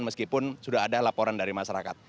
meskipun sudah ada laporan dari masyarakat